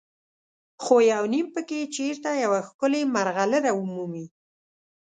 خو یو نیم پکې چېرته یوه ښکلې مرغلره ومومي.